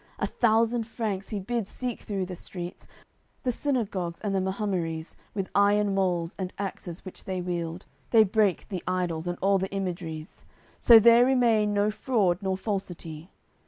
A thousand Franks he bids seek through the streets, The synagogues and the mahumeries; With iron malls and axes which they wield They break the idols and all the imageries; So there remain no fraud nor falsity.